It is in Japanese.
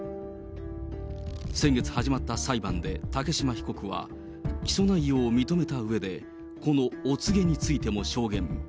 先月始まった裁判で、竹島被告は起訴内容を認めたうえで、このお告げについても証言。